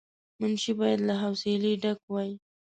منشي باید له حوصله ډک وای.